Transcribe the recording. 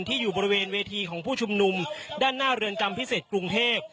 อยู่บริเวณเวทีของผู้ชุมนุมด้านหน้าเรือนจำพิเศษกรุงเทพ